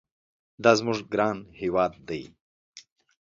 دا زموږ ګران هېواد دي.